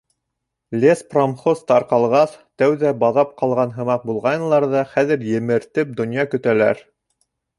Леспромхоз тарҡалғас, тәүҙә баҙап ҡалған һымаҡ булғайнылар ҙа, хәҙер емертеп донъя көтәләр.